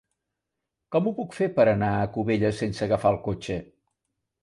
Com ho puc fer per anar a Cubelles sense agafar el cotxe?